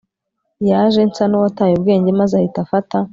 yaje nsa nuwataye ubwenge maze ahita afata